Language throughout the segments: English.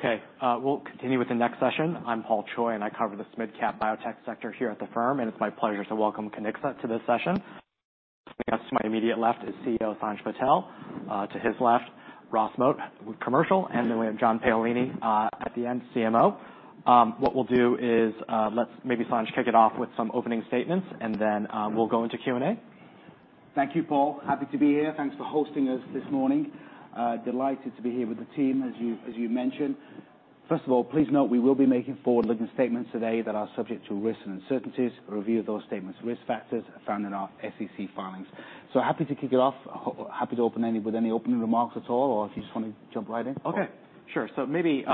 Okay. We'll continue with the next session. I'm Paul Choi, and I cover the SMID-Cap biotech sector here at the firm, and it's my pleasure to welcome Kiniksa to this session. To my immediate left is CEO Sanj Patel. To his left, Ross Moat, commercial. And then we have John Paolini, at the end, CMO. What we'll do is, let's maybe Sanj kick it off with some opening statements, and then, we'll go into Q&A. Thank you, Paul. Happy to be here. Thanks for hosting us this morning. Delighted to be here with the team, as you mentioned. First of all, please note we will be making forward-looking statements today that are subject to risks and uncertainties. Review of those statements, risk factors found in our SEC filings. So happy to kick it off. Happy to open with any opening remarks at all, or if you just want to jump right in. Okay. Sure. So maybe,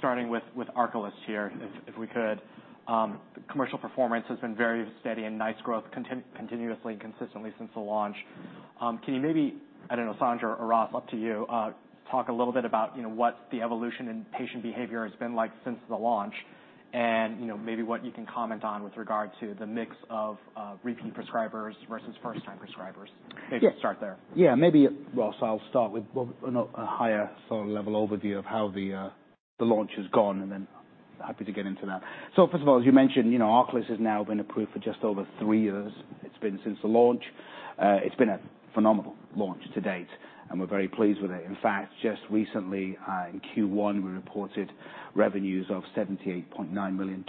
starting with ARCALYST here, if we could. Commercial performance has been very steady and nice growth continuously and consistently since the launch. Can you maybe, I don't know, Sanj or Ross, up to you, talk a little bit about, you know, what the evolution in patient behavior has been like since the launch and, you know, maybe what you can comment on with regard to the mix of repeat prescribers versus first-time prescribers? Maybe start there. Yeah. Yeah. Maybe, Ross, I'll start with, well, a higher sort of level overview of how the launch has gone, and then happy to get into that. So first of all, as you mentioned, you know, ARCALYST has now been approved for just over three years. It's been since the launch. It's been a phenomenal launch to date, and we're very pleased with it. In fact, just recently, in Q1, we reported revenues of $78.9 million.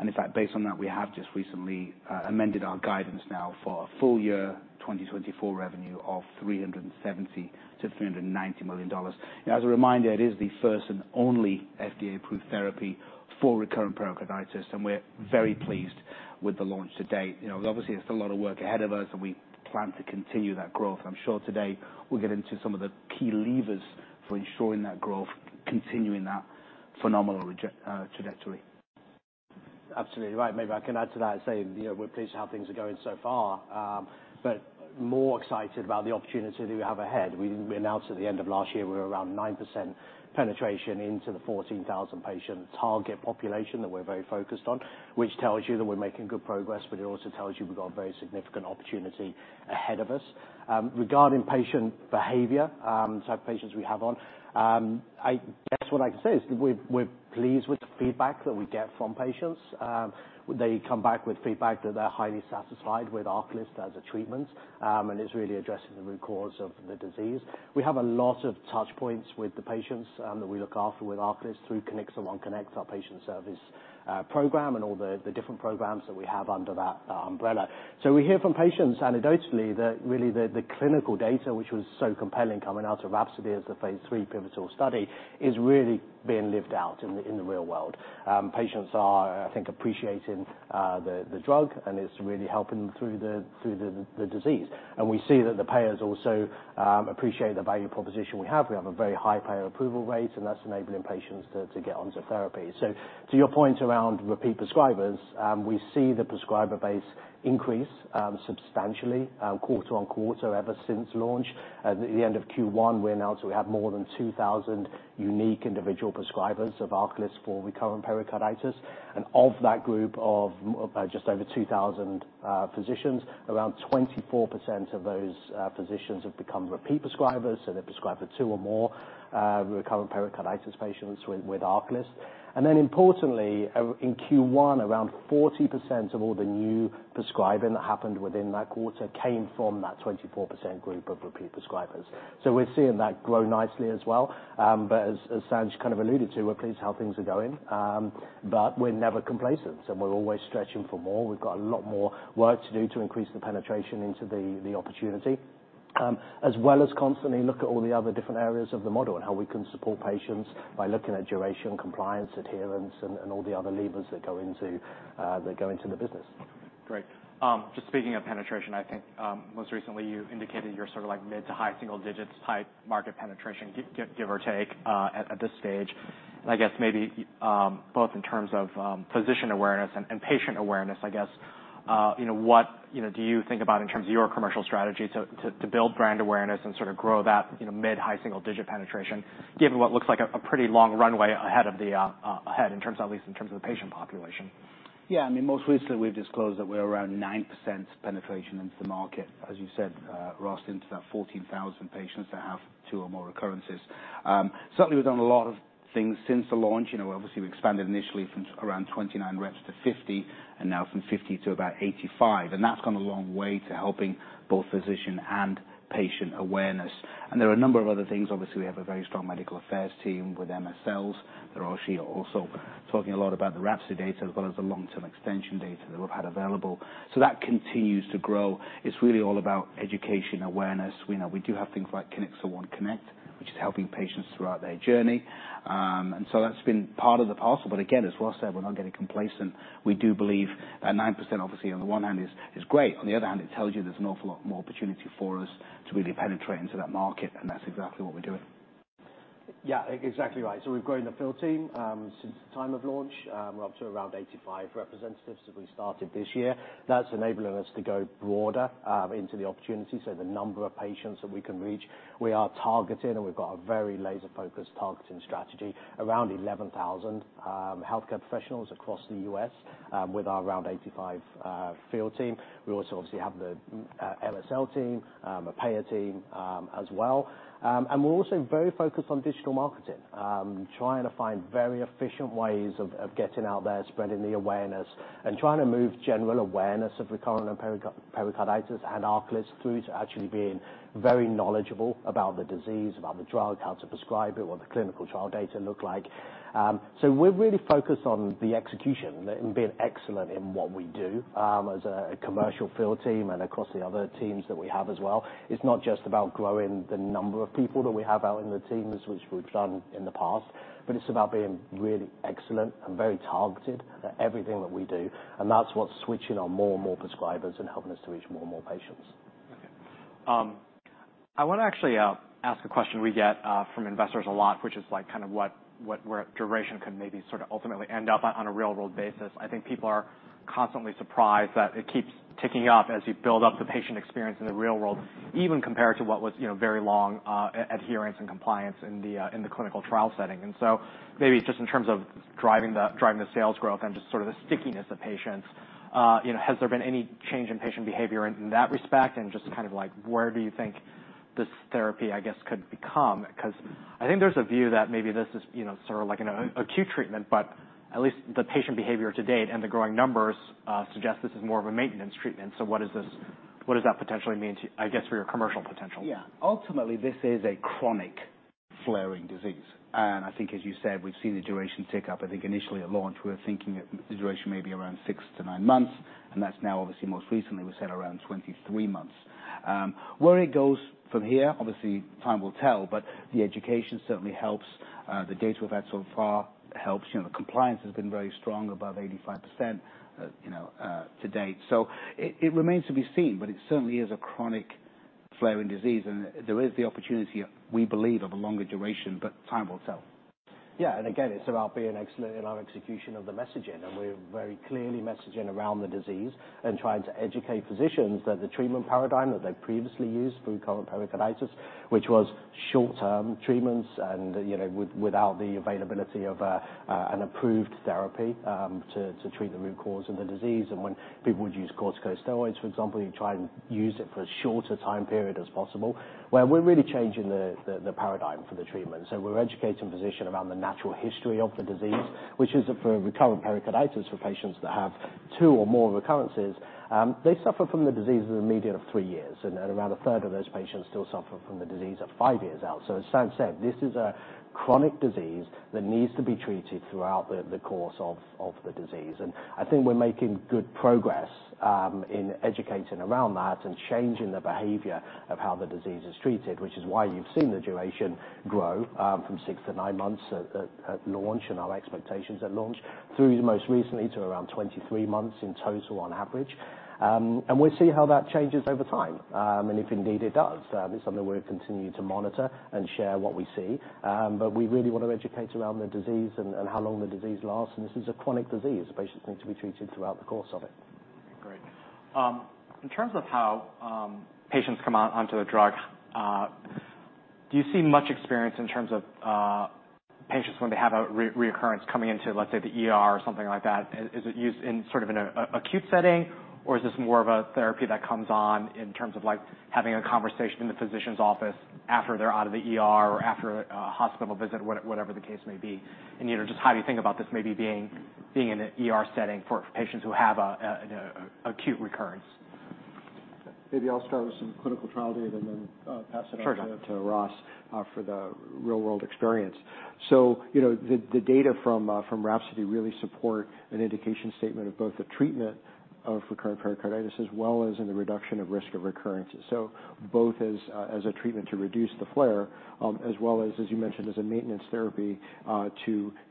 And in fact, based on that, we have just recently amended our guidance now for a full-year 2024 revenue of $370 to 390 million. You know, as a reminder, it is the first and only FDA-approved therapy for recurrent pericarditis, and we're very pleased with the launch to date. You know, obviously, it's a lot of work ahead of us, and we plan to continue that growth. I'm sure today we'll get into some of the key levers for ensuring that growth, continuing that phenomenal revenue trajectory. Absolutely. Right. Maybe I can add to that and say, you know, we're pleased to how things are going so far. But more excited about the opportunity that we have ahead. We announced at the end of last year we were around 9% penetration into the 14,000-patient target population that we're very focused on, which tells you that we're making good progress, but it also tells you we've got a very significant opportunity ahead of us. Regarding patient behavior, the type of patients we have on, I guess what I can say is that we're, we're pleased with the feedback that we get from patients. They come back with feedback that they're highly satisfied with ARCALYST as a treatment, and it's really addressing the root cause of the disease. We have a lot of touchpoints with the patients that we look after with ARCALYST through Kiniksa One Connect, our patient service program and all the different programs that we have under that umbrella. So we hear from patients anecdotally that really the clinical data, which was so compelling coming out of RHAPSODY as the phase III pivotal study, is really being lived out in the real world. Patients are, I think, appreciating the drug, and it's really helping them through the disease. And we see that the payers also appreciate the value proposition we have. We have a very high payer approval rate, and that's enabling patients to get onto therapy. So to your point around repeat prescribers, we see the prescriber base increase substantially quarter-over-quarter ever since launch. At the end of Q1, we announced that we have more than 2,000 unique individual prescribers of ARCALYST for recurrent pericarditis. And of that group of, just over 2,000, physicians, around 24% of those, physicians have become repeat prescribers, so they've prescribed for two or more, recurrent pericarditis patients with, with ARCALYST. And then importantly, in Q1, around 40% of all the new prescribing that happened within that quarter came from that 24% group of repeat prescribers. So we're seeing that grow nicely as well. But as, as Sanj kind of alluded to, we're pleased to how things are going. But we're never complacent, and we're always stretching for more. We've got a lot more work to do to increase the penetration into the opportunity, as well as constantly look at all the other different areas of the model and how we can support patients by looking at duration, compliance, adherence, and all the other levers that go into the business. Great. Just speaking of penetration, I think, most recently you indicated you're sort of like mid-to-high single-digit type market penetration, give or take, at this stage. I guess maybe both in terms of physician awareness and patient awareness, I guess, you know, what, you know, do you think about in terms of your commercial strategy to build brand awareness and sort of grow that, you know, mid-high single-digit penetration, given what looks like a pretty long runway ahead in terms of at least in terms of the patient population? Yeah. I mean, most recently we've disclosed that we're around 9% penetration into the market, as you said, Ross, into that 14,000 patients that have two or more recurrences. Certainly we've done a lot of things since the launch. You know, obviously we expanded initially from around 29 reps to 50, and now from 50 to about 85. And that's gone a long way to helping both physician and patient awareness. And there are a number of other things. Obviously, we have a very strong medical affairs team with MSLs. They're also talking a lot about the RHAPSODY data as well as the long-term extension data that we've had available. So that continues to grow. It's really all about education, awareness. You know, we do have things like Kiniksa One Connect, which is helping patients throughout their journey, and so that's been part of the parcel. But again, as Ross said, we're not getting complacent. We do believe that 9%, obviously, on the one hand, is great. On the other hand, it tells you there's an awful lot more opportunity for us to really penetrate into that market, and that's exactly what we're doing. Yeah. Exactly right. So we've grown the field team, since the time of launch. We're up to around 85 representatives that we started this year. That's enabling us to go broader, into the opportunity. So the number of patients that we can reach, we are targeting, and we've got a very laser-focused targeting strategy around 11,000 healthcare professionals across the US, with our around 85 field team. We also obviously have the MSL team, a payer team, as well. We're also very focused on digital marketing, trying to find very efficient ways of getting out there, spreading the awareness, and trying to move general awareness of recurrent pericarditis and ARCALYST through to actually being very knowledgeable about the disease, about the drug, how to prescribe it, what the clinical trial data look like. So we're really focused on the execution and being excellent in what we do, as a commercial field team and across the other teams that we have as well. It's not just about growing the number of people that we have out in the teams, which we've done in the past, but it's about being really excellent and very targeted at everything that we do. And that's what's switching on more and more prescribers and helping us to reach more and more patients. Okay. I want to actually ask a question we get from investors a lot, which is like kind of what, what where duration could maybe sort of ultimately end up on, on a real-world basis. I think people are constantly surprised that it keeps ticking up as you build up the patient experience in the real world, even compared to what was, you know, very strong adherence and compliance in the clinical trial setting. So maybe just in terms of driving the sales growth and just sort of the stickiness of patients, you know, has there been any change in patient behavior in that respect? And just kind of like where do you think this therapy, I guess, could become? Because I think there's a view that maybe this is, you know, sort of like an acute treatment, but at least the patient behavior to date and the growing numbers suggest this is more of a maintenance treatment. So what does that potentially mean to, I guess, for your commercial potential? Yeah. Ultimately, this is a chronic flaring disease. I think, as you said, we've seen the duration tick up. I think initially at launch we were thinking that the duration may be around six to nine months, and that's now obviously most recently we said around 23 months. Where it goes from here, obviously time will tell, but the education certainly helps. The data we've had so far helps. You know, the compliance has been very strong, above 85%, you know, to date. So it, it remains to be seen, but it certainly is a chronic flaring disease, and there is the opportunity, we believe, of a longer duration, but time will tell. Yeah. And again, it's about being excellent in our execution of the messaging, and we're very clearly messaging around the disease and trying to educate physicians that the treatment paradigm that they previously used for recurrent pericarditis, which was short-term treatments and, you know, without the availability of an approved therapy to treat the root cause of the disease. And when people would use corticosteroids, for example, you try and use it for as short a time period as possible. Well, we're really changing the paradigm for the treatment. So we're educating physicians around the natural history of the disease, which is that for recurrent pericarditis for patients that have two or more recurrences, they suffer from the disease in the median of three years, and around a third of those patients still suffer from the disease at five years out. So as Sanj said, this is a chronic disease that needs to be treated throughout the course of the disease. I think we're making good progress in educating around that and changing the behavior of how the disease is treated, which is why you've seen the duration grow from six to nine months at launch and our expectations at launch through most recently to around 23 months in total on average. And we'll see how that changes over time, and if indeed it does. It's something we'll continue to monitor and share what we see. But we really want to educate around the disease and how long the disease lasts. And this is a chronic disease. The patients need to be treated throughout the course of it. Okay. Great. In terms of how patients come onto a drug, do you see much experience in terms of patients when they have a recurrence coming into, let's say, the ER or something like that? Is it used sort of in an acute setting, or is this more of a therapy that comes on in terms of like having a conversation in the physician's office after they're out of the ER after a hospital visit, whatever the case may be? And, you know, just how do you think about this maybe being in an acute setting for patients who have an acute recurrence? Maybe I'll start with some clinical trial data and then pass it on to. Sure. Ross, for the real-world experience. So, you know, the data from RHAPSODY really support an indication statement of both the treatment of recurrent pericarditis as well as in the reduction of risk of recurrence. So both as a treatment to reduce the flare, as well as, as you mentioned, as a maintenance therapy to,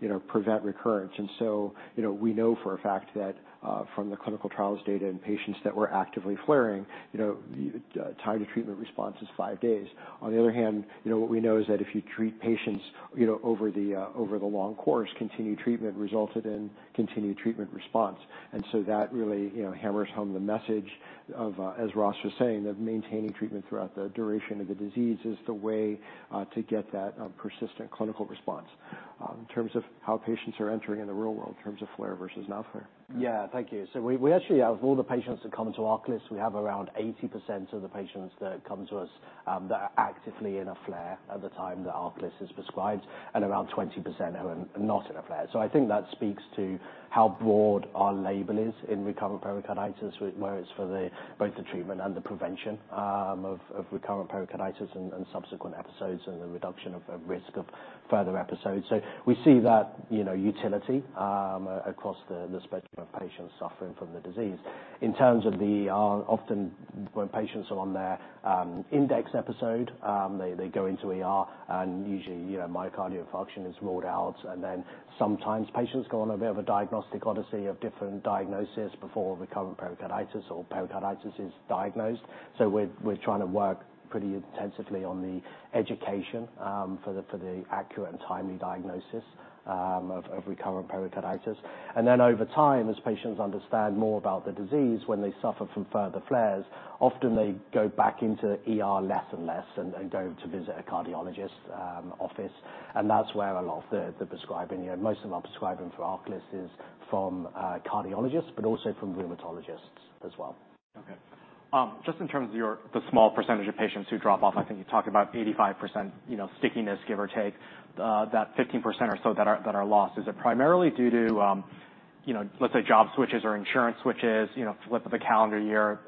you know, prevent recurrence. And so, you know, we know for a fact that from the clinical trials data and patients that were actively flaring, you know, time to treatment response is five days. On the other hand, you know, what we know is that if you treat patients, you know, over the long course, continued treatment resulted in continued treatment response. And so that really, you know, hammers home the message of, as Ross was saying, that maintaining treatment throughout the duration of the disease is the way to get that persistent clinical response, in terms of how patients are entering in the real world in terms of flare versus non-flare. Yeah. Thank you. So we, we actually, out of all the patients that come into ARCALYST, we have around 80% of the patients that come to us, that are actively in a flare at the time that ARCALYST is prescribed and around 20% who are not in a flare. So I think that speaks to how broad our label is in recurrent pericarditis, where it's for the both the treatment and the prevention, of, of recurrent pericarditis and, and subsequent episodes and the reduction of, of risk of further episodes. So we see that, you know, utility, across the, the spectrum of patients suffering from the disease. In terms of the often when patients are on their, index episode, they, they go into and usually, you know, myocardial infarction is ruled out. And then sometimes patients go on a bit of a diagnostic odyssey of different diagnosis before recurrent pericarditis or pericarditis is diagnosed. So we're trying to work pretty intensively on the education for the accurate and timely diagnosis of recurrent pericarditis. And then over time, as patients understand more about the disease, when they suffer from further flares, often they go back into the less and less and go to visit a cardiologist's office. And that's where a lot of the prescribing, you know, most of our prescribing for ARCALYST is from cardiologists, but also from rheumatologists as well. Okay. Just in terms of the small percentage of patients who drop off, I think you talked about 85%, you know, stickiness, give or take, that 15% or so that are lost. Is it primarily due to, you know, let's say job switches or insurance switches, you know, flip of the calendar year,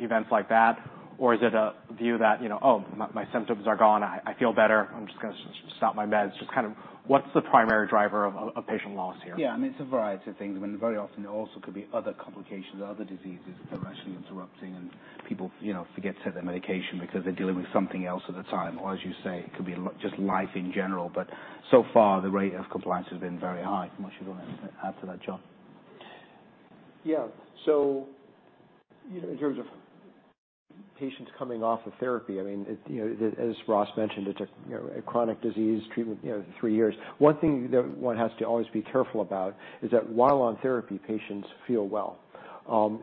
events like that? Or is it a view that, you know, oh, my, my symptoms are gone. I, I feel better. I'm just going to stop my meds. Just kind of what's the primary driver of, of patient loss here? Yeah. I mean, it's a variety of things. I mean, very often it also could be other complications, other diseases that are actually interrupting, and people, you know, forget to take their medication because they're dealing with something else at the time. Or as you say, it could be just life in general. But so far the rate of compliance has been very high. How much you want to add to that, John? Yeah. So, you know, in terms of patients coming off of therapy, I mean, it, you know, as Ross mentioned, it's a, you know, a chronic disease treatment, you know, three years. One thing that one has to always be careful about is that while on therapy, patients feel well.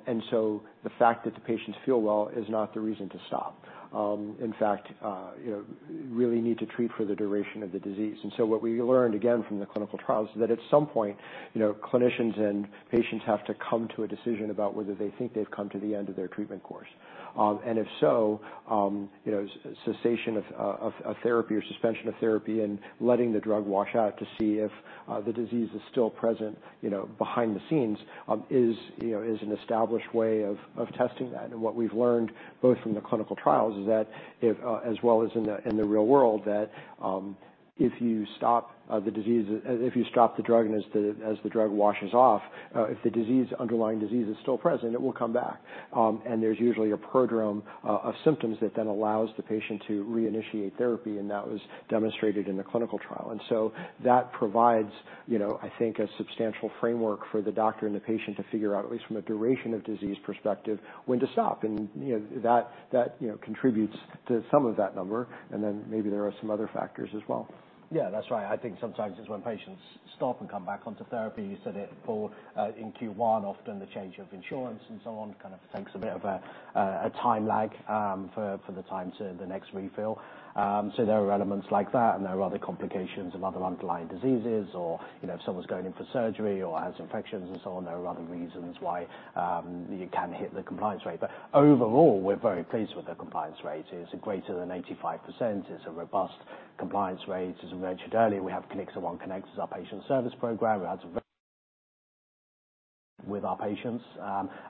And so the fact that the patients feel well is not the reason to stop. In fact, you know, really need to treat for the duration of the disease. And so what we learned again from the clinical trials is that at some point, you know, clinicians and patients have to come to a decision about whether they think they've come to the end of their treatment course. And if so, you know, cessation of therapy or suspension of therapy and letting the drug wash out to see if the disease is still present, you know, behind the scenes, is an established way of testing that. And what we've learned both from the clinical trials as well as in the real world is that if you stop the drug and as the drug washes off, if the underlying disease is still present, it will come back. And there's usually a prodrome of symptoms that then allows the patient to reinitiate therapy, and that was demonstrated in the clinical trial. And so that provides, you know, I think, a substantial framework for the doctor and the patient to figure out, at least from a duration of disease perspective, when to stop. And, you know, that, you know, contributes to some of that number, and then maybe there are some other factors as well. Yeah. That's right. I think sometimes it's when patients stop and come back onto therapy. You said it for, in Q1, often the change of insurance and so on kind of takes a bit of a time lag, for the time to the next refill. So there are elements like that, and there are other complications of other underlying diseases or, you know, if someone's going in for surgery or has infections and so on, there are other reasons why you can hit the compliance rate. But overall, we're very pleased with the compliance rate. It's greater than 85%. It's a robust compliance rate. As we mentioned earlier, we have Kiniksa One Connect as our patient service program. We've had some very with our patients,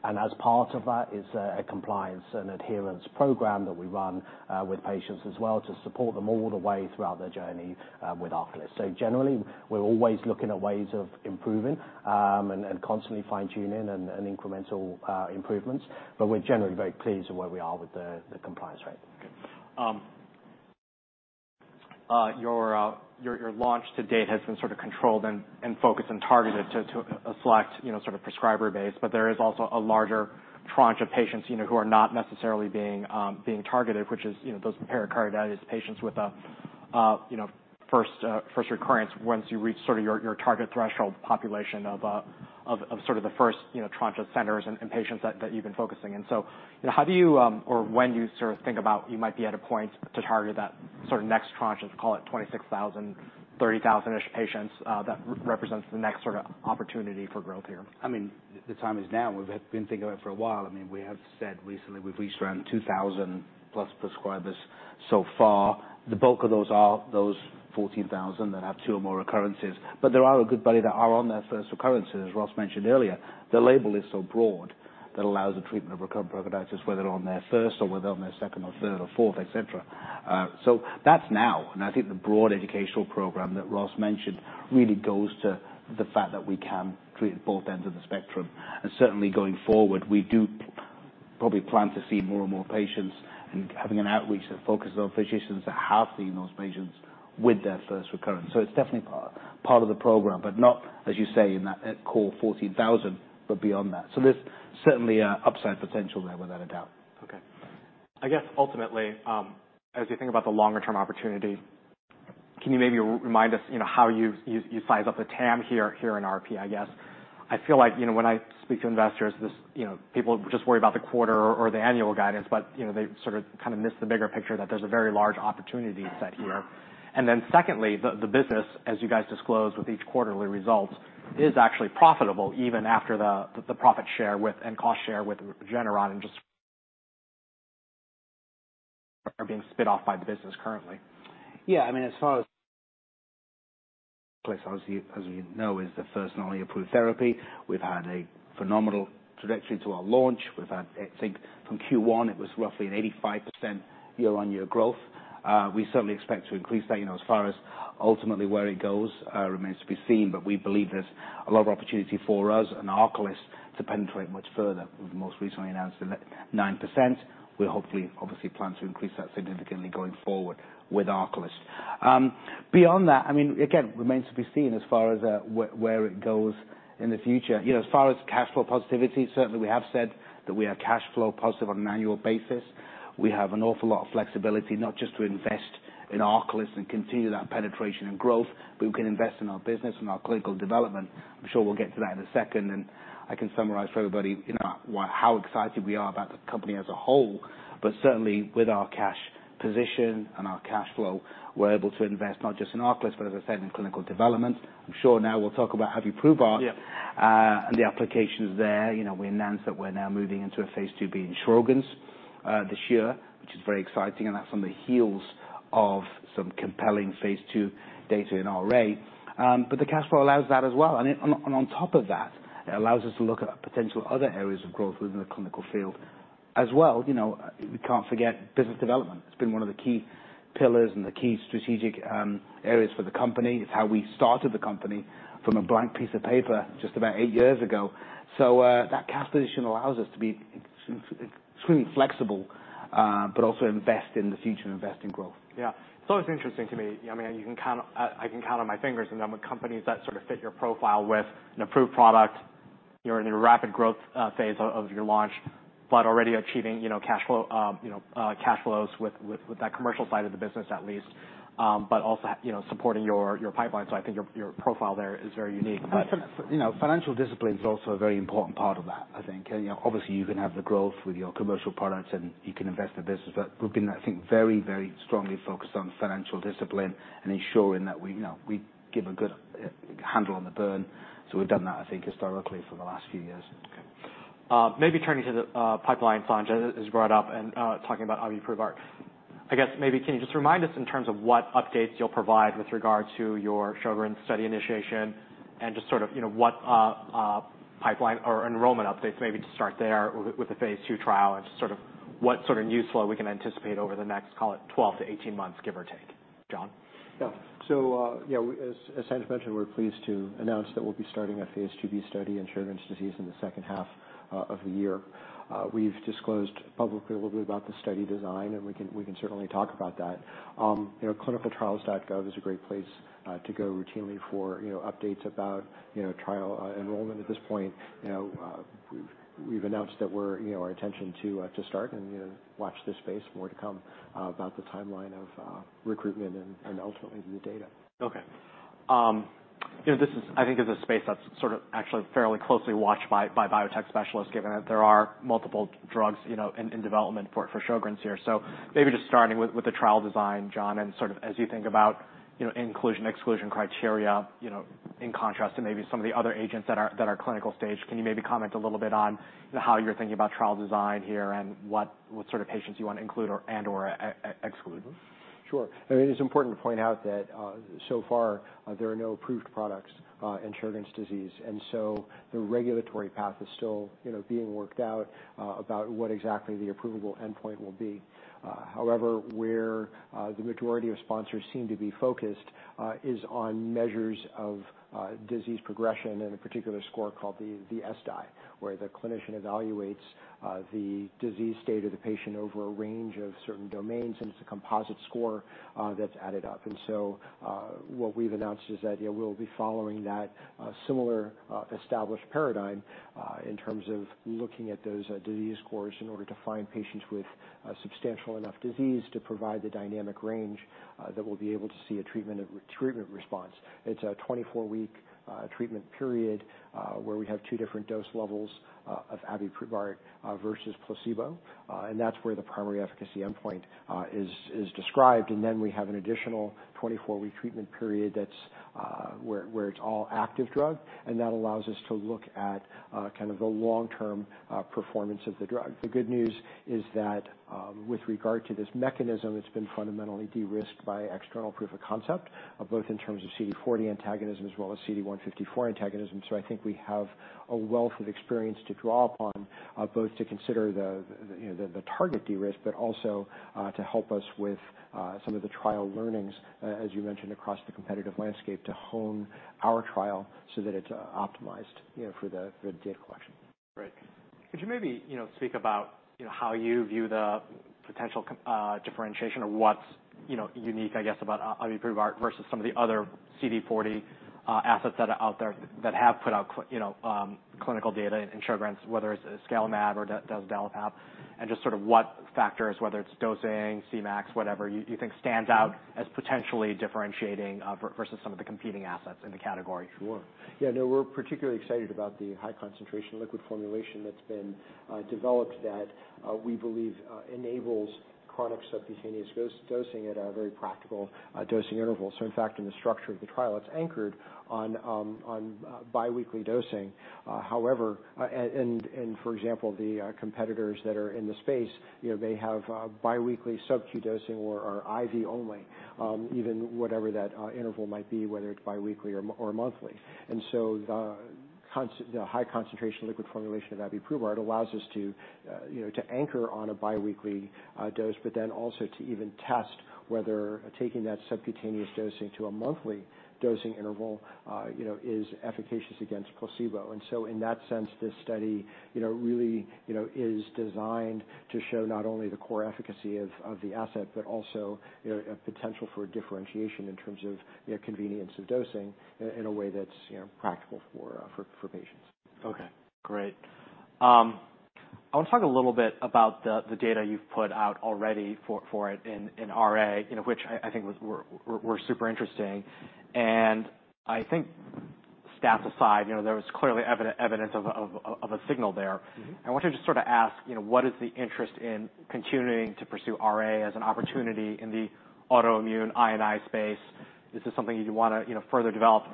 and as part of that, it's a compliance and adherence program that we run with patients as well to support them all the way throughout their journey with ARCALYST. So generally, we're always looking at ways of improving and constantly fine-tuning and incremental improvements. But we're generally very pleased with where we are with the compliance rate. Okay. Your launch to date has been sort of controlled and focused and targeted to a select, you know, sort of prescriber base, but there is also a larger tranche of patients, you know, who are not necessarily being targeted, which is, you know, those pericarditis patients with a, you know, first recurrence once you reach sort of your target threshold population of sort of the first, you know, tranche of centers and patients that you've been focusing on. So, you know, how do you, or when you sort of think about you might be at a point to target that sort of next tranche of, call it 26,000, 30,000-ish patients, that represents the next sort of opportunity for growth here? I mean, the time is now. We've been thinking about it for a while. I mean, we have said recently we've reached around 2,000-plus prescribers so far. The bulk of those are those 14,000 that have two or more recurrences. But there are a good body that are on their first recurrences, as Ross mentioned earlier. The label is so broad that it allows the treatment of recurrent pericarditis, whether on their first or whether on their second or third or fourth, etc. so that's now. And I think the broad educational program that Ross mentioned really goes to the fact that we can treat at both ends of the spectrum. And certainly going forward, we do probably plan to see more and more patients and having an outreach that focuses on physicians that have seen those patients with their first recurrence. So it's definitely part of the program, but not, as you say, in that core 14,000, but beyond that. There's certainly an upside potential there without a doubt. Okay. I guess ultimately, as you think about the longer-term opportunity, can you maybe remind us, you know, how you size up the TAM here in RP, I guess? I feel like, you know, when I speak to investors, this, you know, people just worry about the quarter or the annual guidance, but, you know, they sort of kind of miss the bigger picture that there's a very large opportunity set here. And then secondly, the business, as you guys disclose with each quarterly results, is actually profitable even after the profit share and cost share with Regeneron and just are being spit off by the business currently. Yeah. I mean, as far as ARCALYST, as we know, is the first approved therapy. We've had a phenomenal trajectory to our launch. We've had, I think, from Q1, it was roughly an 85% year-on-year growth. We certainly expect to increase that, you know, as far as ultimately where it goes, remains to be seen. But we believe there's a lot of opportunity for us and ARCALYST to penetrate much further. We've most recently announced a 9%. We hopefully, obviously, plan to increase that significantly going forward with ARCALYST. Beyond that, I mean, again, remains to be seen as far as, where, where it goes in the future. You know, as far as cash flow positivity, certainly we have said that we are cash flow positive on an annual basis. We have an awful lot of flexibility, not just to invest in ARCALYST and continue that penetration and growth, but we can invest in our business and our clinical development. I'm sure we'll get to that in a second. And I can summarize for everybody, you know, what, how excited we are about the company as a whole. But certainly with our cash position and our cash flow, we're able to invest not just in ARCALYST, but as I said, in clinical development. I'm sure now we'll talk about how we prove our. Yeah. And the applications there. You know, we announced that we're now moving into a phase II in Sjögren's, this year, which is very exciting. And that's on the heels of some compelling phase II data in RA. But the cash flow allows that as well. And it on top of that, it allows us to look at potential other areas of growth within the clinical field as well. You know, we can't forget business development. It's been one of the key pillars and the key strategic areas for the company. It's how we started the company from a blank piece of paper just about eight years ago. So, that cash position allows us to be extremely flexible, but also invest in the future and invest in growth. Yeah. It's always interesting to me. I mean, you can count, I can count on my fingers and then with companies that sort of fit your profile with an approved product, you're in a rapid growth phase of your launch, but already achieving, you know, cash flow, you know, cash flows with that commercial side of the business at least, but also, you know, supporting your pipeline. So I think your profile there is very unique. But, you know, financial discipline is also a very important part of that, I think. You know, obviously, you can have the growth with your commercial products and you can invest in business. But we've been, I think, very, very strongly focused on financial discipline and ensuring that we, you know, we give a good handle on the burn. So we've done that, I think, historically for the last few years. Okay. Maybe turning to the pipeline plan, as you brought up and talking about how we prove our, I guess, maybe can you just remind us in terms of what updates you'll provide with regard to your Sjögren's study initiation and just sort of, you know, what pipeline or enrollment updates, maybe to start there with the phase two trial and just sort of what sort of news flow we can anticipate over the next, call it, 12 to 18 months, give or take, John? Yeah. So, yeah, we, as Sandra mentioned, we're pleased to announce that we'll be starting a phase IIb study in Sjögren's disease in the second half of the year. We've disclosed publicly a little bit about the study design, and we can certainly talk about that. You know, ClinicalTrials.gov is a great place to go routinely for updates about trial enrollment at this point. You know, we've announced that we're our intention to start and, you know, watch this space, more to come, about the timeline of recruitment and ultimately the data. Okay. You know, this is, I think, a space that's sort of actually fairly closely watched by biotech specialists, given that there are multiple drugs, you know, in development for Sjögren's here. So maybe just starting with the trial design, John, and sort of as you think about, you know, inclusion/exclusion criteria, you know, in contrast to maybe some of the other agents that are clinical stage, can you maybe comment a little bit on, you know, how you're thinking about trial design here and what sort of patients you want to include or and/or exclude? Sure. I mean, it's important to point out that, so far, there are no approved products in Sjögren's disease. And so the regulatory path is still, you know, being worked out, about what exactly the approvable endpoint will be. However, where the majority of sponsors seem to be focused is on measures of disease progression and a particular score called the SDI, where the clinician evaluates the disease state of the patient over a range of certain domains, and it's a composite score that's added up. And so, what we've announced is that, you know, we'll be following that similar established paradigm in terms of looking at those disease scores in order to find patients with substantial enough disease to provide the dynamic range that we'll be able to see a treatment response. It's a 24-week treatment period, where we have two different dose levels of abiprubart versus placebo, and that's where the primary efficacy endpoint is described. And then we have an additional 24-week treatment period that's where it's all active drug, and that allows us to look at kind of the long-term performance of the drug. The good news is that with regard to this mechanism, it's been fundamentally de-risked by external proof of concept, both in terms of CD40 antagonism as well as CD154 antagonism. So I think we have a wealth of experience to draw upon, both to consider the you know the target de-risk, but also to help us with some of the trial learnings, as you mentioned, across the competitive landscape to hone our trial so that it's optimized, you know, for the data collection. Great. Could you maybe, you know, speak about, you know, how you view the potential, differentiation or what's, you know, unique, I guess, about abiprubart versus some of the other CD40 assets that are out there that have put out clinical data in Sjögren's, whether it's iscalimab or Dapirolizumab, and just sort of what factors, whether it's dosing, Cmax, whatever, you think stands out as potentially differentiating, versus some of the competing assets in the category? Sure. Yeah. No, we're particularly excited about the high-concentration liquid formulation that's been developed that, we believe, enables chronic subcutaneous dosing at a very practical dosing interval. So, in fact, in the structure of the trial, it's anchored on biweekly dosing. However, for example, the competitors that are in the space, you know, may have biweekly subq dosing or IV only, even whatever that interval might be, whether it's biweekly or monthly. And so the high-concentration liquid formulation of abiprubart, it allows us to, you know, to anchor on a biweekly dose, but then also to even test whether taking that subcutaneous dosing to a monthly dosing interval, you know, is efficacious against placebo. And so in that sense, this study, you know, really, you know, is designed to show not only the core efficacy of the asset, but also, you know, a potential for differentiation in terms of, you know, convenience of dosing in a way that's, you know, practical for patients. Okay. Great. I want to talk a little bit about the data you've put out already for it in RA, you know, which I think was super interesting. And I think stats aside, you know, there was clearly evidence of a signal there. I wanted to just sort of ask, you know, what is the interest in continuing to pursue RA as an opportunity in the autoimmune space? Is this something you'd want to, you know, further develop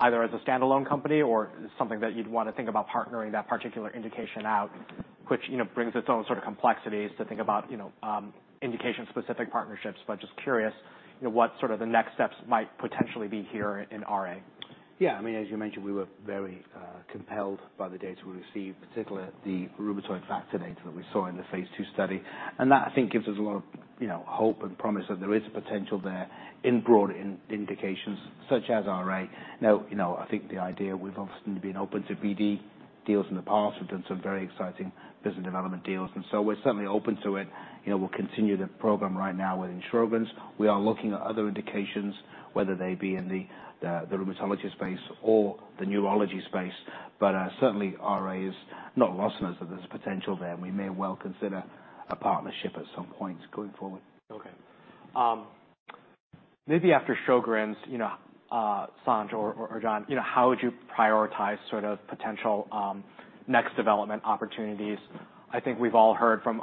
either as a standalone company or something that you'd want to think about partnering that particular indication out, which, you know, brings its own sort of complexities to think about, you know, indication-specific partnerships? But just curious, you know, what sort of the next steps might potentially be here in RA? Yeah. I mean, as you mentioned, we were very compelled by the data we received, particularly the rheumatoid factor data that we saw in the phase two study. And that, I think, gives us a lot of, you know, hope and promise that there is a potential there in broad indications such as RA. Now, you know, I think the idea we've obviously been open to BD deals in the past. We've done some very exciting business development deals. And so we're certainly open to it. You know, we'll continue the program right now within Sjögren's. We are looking at other indications, whether they be in the rheumatology space or the neurology space. But, certainly, RA is not lost unless there's a potential there. And we may well consider a partnership at some point going forward. Okay. Maybe after Sjögren's, you know, Sanj or John, you know, how would you prioritize sort of potential next development opportunities? I think we've all heard from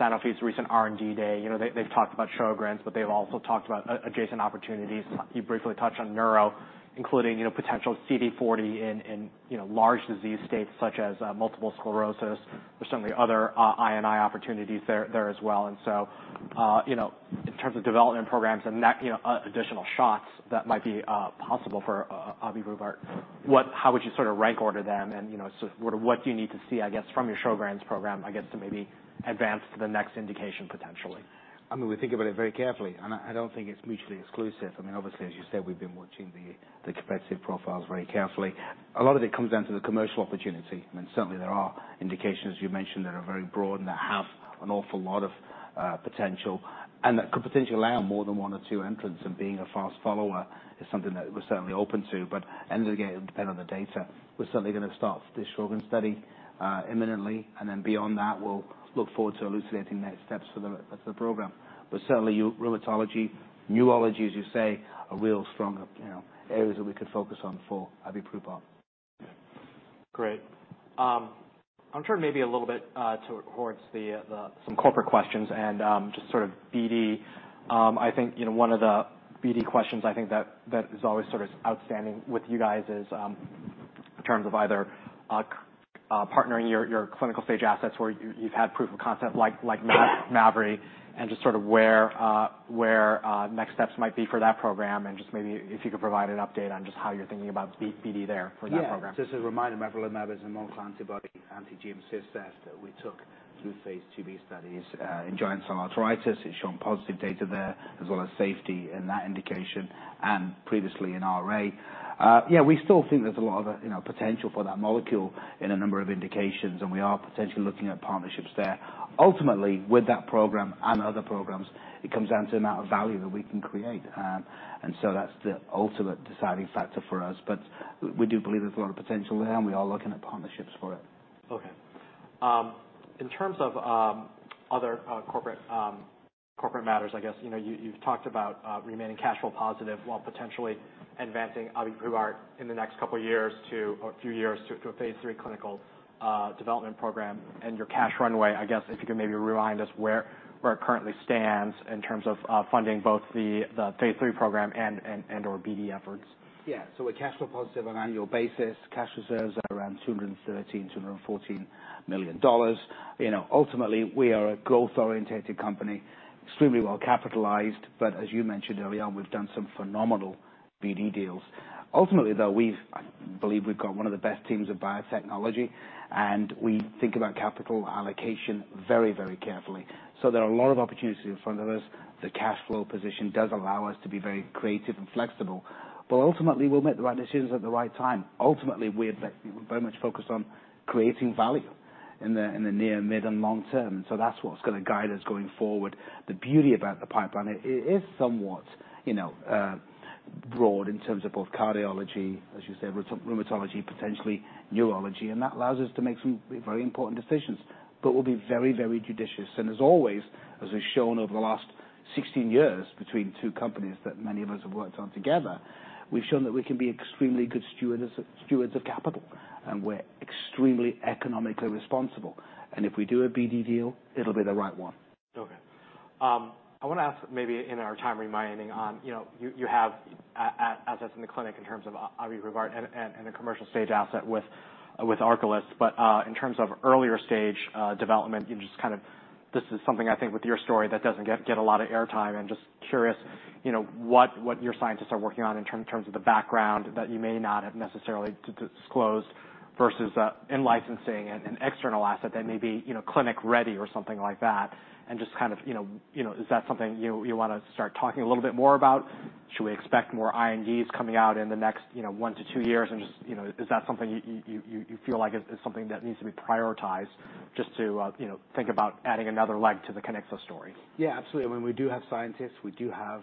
Sanofi's recent R&D day. You know, they, they've talked about Sjögren's, but they've also talked about adjacent opportunities. You briefly touched on neuro, including, you know, potential CD40 in, in, you know, large disease states such as multiple sclerosis or certainly other I&I opportunities there as well. And so, you know, in terms of development programs and that, you know, additional shots that might be possible for abiprubart, what, how would you sort of rank order them? And, you know, sort of what do you need to see, I guess, from your Sjögren's program, I guess, to maybe advance to the next indication potentially? I mean, we think about it very carefully, and I don't think it's mutually exclusive. I mean, obviously, as you said, we've been watching the competitive profiles very carefully. A lot of it comes down to the commercial opportunity. I mean, certainly, there are indications, as you mentioned, that are very broad and that have an awful lot of potential and that could potentially allow more than one or two entrants. And being a fast follower is something that we're certainly open to. But, and again, depending on the data, we're certainly going to start this Sjögren's study, imminently. And then beyond that, we'll look forward to elucidating next steps for the program. But certainly, rheumatology, neurology, as you say, are real strong, you know, areas that we could focus on for abiprubart. Great. I'm turning maybe a little bit towards some corporate questions and just sort of BD. I think, you know, one of the BD questions I think that is always sort of outstanding with you guys is, in terms of either partnering your clinical stage assets where you, you've had proof of concept like mavrilimumab, and just sort of where next steps might be for that program. Just maybe if you could provide an update on just how you're thinking about BD there for that program. Yeah. Just as a reminder, mavrilimumab is an antibody antagonist that we took through phase IIb studies in giant cell arteritis. It's shown positive data there as well as safety in that indication and previously in RA. Yeah, we still think there's a lot of, you know, potential for that molecule in a number of indications, and we are potentially looking at partnerships there. Ultimately, with that program and other programs, it comes down to the amount of value that we can create. So that's the ultimate deciding factor for us. But we do believe there's a lot of potential there, and we are looking at partnerships for it. Okay. In terms of other corporate matters, I guess, you know, you've talked about remaining cash flow positive while potentially advancing abiprubart in the next couple of years or a few years to a phase III clinical development program and your cash runway. I guess if you could maybe remind us where it currently stands in terms of funding both the phase III program and, or BD efforts. Yeah. So we're cash flow positive on an annual basis. Cash reserves are around $213 to 214 million. You know, ultimately, we are a growth-oriented company, extremely well-capitalized. But as you mentioned earlier, we've done some phenomenal BD deals. Ultimately, though, we've, I believe we've got one of the best teams of biotechnology, and we think about capital allocation very, very carefully. So there are a lot of opportunities in front of us. The cash flow position does allow us to be very creative and flexible. But ultimately, we'll make the right decisions at the right time. Ultimately, we're very much focused on creating value in the, in the near, mid, and long term. And so that's what's going to guide us going forward. The beauty about the pipeline, it is somewhat, you know, broad in terms of both cardiology, as you said, rheumatology, potentially neurology. And that allows us to make some very important decisions, but we'll be very, very judicious. As always, as we've shown over the last 16 years between two companies that many of us have worked on together, we've shown that we can be extremely good stewards of stewards of capital, and we're extremely economically responsible. If we do a BD deal, it'll be the right one. Okay. I want to ask maybe in our time reminding on, you know, you have assets in the clinic in terms of abiprubart and a commercial stage asset with ARCALYST. But in terms of earlier stage development, you know, just kind of this is something I think with your story that doesn't get a lot of airtime. Just curious, you know, what your scientists are working on in terms of the background that you may not have necessarily disclosed versus in licensing an external asset that may be, you know, clinic-ready or something like that. Just kind of, you know, is that something you want to start talking a little bit more about? Should we expect more INDs coming out in the next, you know, one to two years? Just, you know, is that something you feel like is something that needs to be prioritized just to, you know, think about adding another leg to the Kiniksa story? Yeah. Absolutely. I mean, we do have scientists. We do have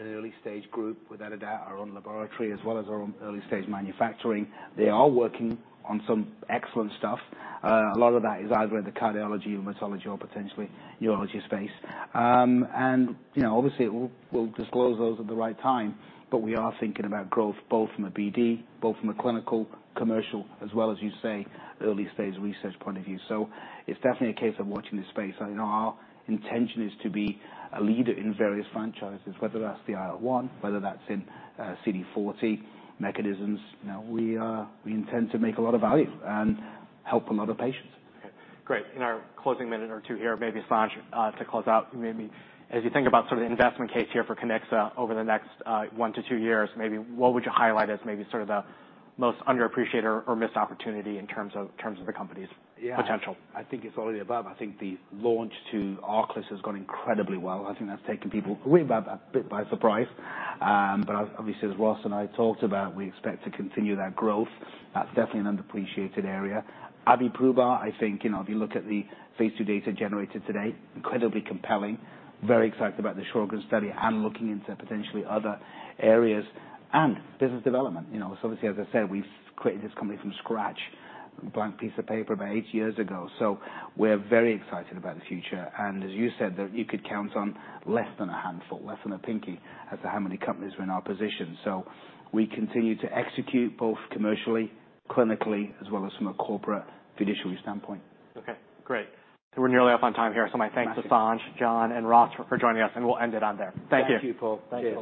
an early stage group without a doubt our own laboratory as well as our own early stage manufacturing. They are working on some excellent stuff. A lot of that is either in the cardiology, rheumatology, or potentially neurology space. And, you know, obviously, we'll disclose those at the right time. But we are thinking about growth both from a BD, both from a clinical, commercial, as well as, you say, early stage research point of view. So it's definitely a case of watching this space. I, you know, our intention is to be a leader in various franchises, whether that's the IL1, whether that's in, CD40 mechanisms. You know, we intend to make a lot of value and help a lot of patients. Okay. Great. In our closing minute or two here, maybe Sanj, to close out, maybe as you think about sort of the investment case here for Kiniksa over the next one to two years, maybe what would you highlight as maybe sort of the most underappreciated or missed opportunity in terms of the company's potential? Yeah. I think it's all of the above. I think the launch of ARCALYST has gone incredibly well. I think that's taken people a bit by surprise. But as obviously as Ross and I talked about, we expect to continue that growth. That's definitely an underappreciated area. abiprubart, I think, you know, if you look at the phase II data generated today, incredibly compelling, very excited about the Sjögren's study and looking into potentially other areas and business development. You know, it's obviously, as I said, we've created this company from scratch, blank piece of paper about eight years ago. So we're very excited about the future. And as you said, that you could count on less than a handful, less than a pinky as to how many companies are in our position. So we continue to execute both commercially, clinically, as well as from a corporate fiduciary standpoint. Okay. Great. So we're nearly up on time here. So my thanks to Sanj, John, and Ross for joining us, and we'll end it on there. Thank you. Thank you, Paul. Thank you.